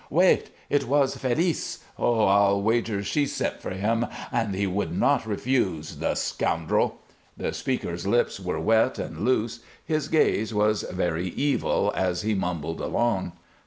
Wait! It was Félice. Ho! I'll wager she sent for him; and he would not refuse, the scoundrel!" The speaker's lips were wet and loose, his gaze was very evil as he mumbled along.